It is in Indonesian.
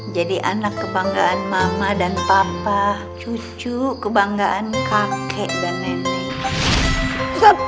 jadi anak kebanggaan mama dan papa cucu kebanggaan kakek dan nenek